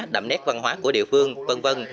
đậm nét văn hóa của địa phương v v